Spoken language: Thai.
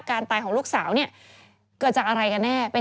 การตายของลูกสาวเนี่ยเกิดจากอะไรกันแน่